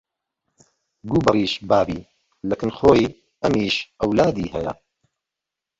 گوو بەڕیش بابی لە کن خۆی ئەمیش ئەولادی هەیە